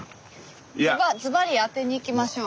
ズバリ当てにいきましょう。